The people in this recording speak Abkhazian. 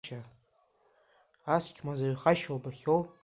Ас чмазаҩхашьа убахьоу.